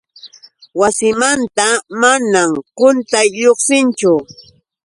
Wasimanta manam quntay lluqsinchu.